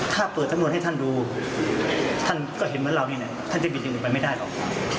ถ้าเปิดสำนวนให้ท่านดูท่านก็เห็นเหมือนเรานี่แหละท่านจะบินอย่างอื่นไปไม่ได้หรอก